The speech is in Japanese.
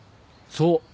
そう。